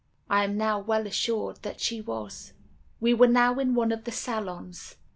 I am now well assured that she was. "We were now in one of the salons.